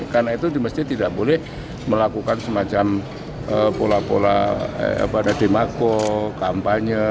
karena itu di masjid tidak boleh melakukan semacam pola pola demako kampanye